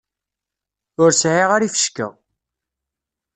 Ur sɛiɣ ara ifecka.